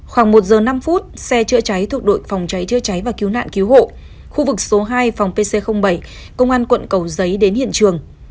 khoảng một giờ năm phút xe chữa cháy thuộc đội phòng cháy chữa cháy và cứu nạn cứu hộ khu vực số hai phòng pc bảy công an quận cầu giấy đến hiện trường